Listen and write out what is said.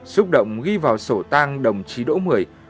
xúc động ghi vào sổ tang đồng chí đỗ mười